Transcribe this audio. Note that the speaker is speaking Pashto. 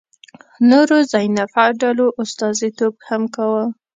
نورو ذینفع ډلو استازیتوب هم کاوه.